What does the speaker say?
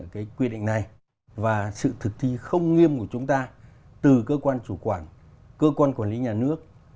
cái quy định này và sự thực thi không nghiêm của chúng ta từ cơ quan chủ quản cơ quan quản lý nhà nước